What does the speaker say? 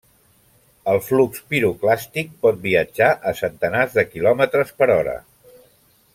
El flux piroclàstic pot viatjar a centenars de kilòmetres per hora.